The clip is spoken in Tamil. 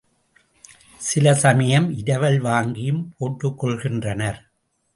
சில சமயம் இரவல் வாங்கியும் போட்டுக்கொள்கின்றனர்.